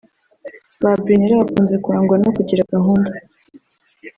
Ba Brunella bakunze kurangwa no kugira gahunda